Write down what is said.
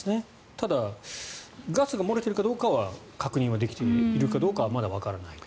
ただ、ガスが漏れているかどうかは確認はできているかどうかはまだわからないと。